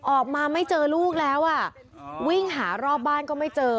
ออกมาไม่เจอลูกแล้วอ่ะวิ่งหารอบบ้านก็ไม่เจอ